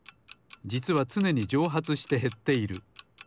じつはつねにじょうはつしてへっている。